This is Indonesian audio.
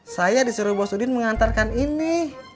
saya disuruh bos udin mengantarkan ini